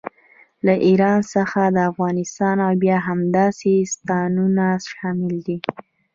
له ایران څخه افغانستان او بیا همداسې ستانونه شامل دي.